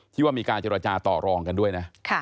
ที่ว่ามีการเจรจาต่อรองกันด้วยนะ